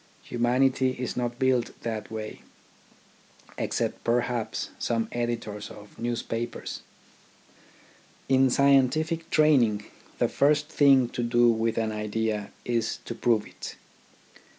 Humanity is not built that way — except perhaps some editors of newspapers. In scientific training, the first thing to do with an idea is to prove it.